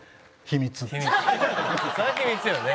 それは秘密よね。